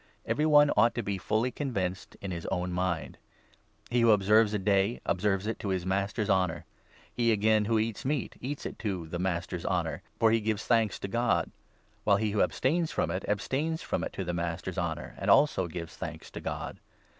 Every one ought to be fully convinced in his own mind. He who 6 observes a day, observes it to the Master's honour. He, again, who eats meat eats it to the Master's honour, for he gives thanks to God ; while he who abstains from it abstains from it to the Master's honour, and also gives thanks to God.